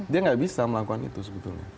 dia nggak bisa melakukan itu sebetulnya